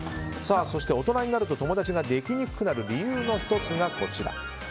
そして大人になると友達ができにくくなる理由の１つがこちら。